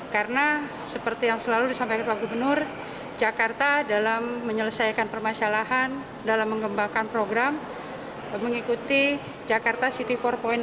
karena seperti yang selalu disampaikan pak gubernur jakarta dalam menyelesaikan permasalahan dalam mengembangkan program mengikuti jakarta city empat